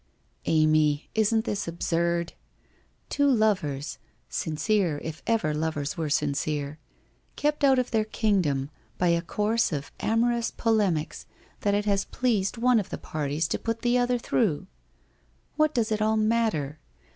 * Amy, isn't this absurd ? Two lovers — sincere, if ever lovers were sincere — kept out of their kingdom by a course of amorous polemics that it has pleased one of the parties to put the other through ! What does it all mat ter?